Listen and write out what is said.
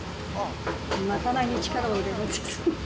賄いに力を入れてるんです。